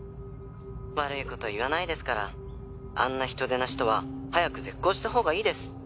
「悪い事は言わないですからあんな人でなしとは早く絶交したほうがいいです」